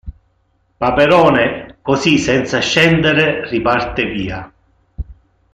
Paperone così senza scendere riparte via.